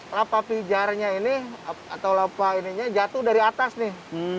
lapa pijarnya ini atau lapa ininya jatuh dari atas nih